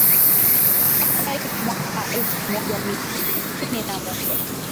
mwaka elfu mwaka elfu moja mia tisa sitini na moja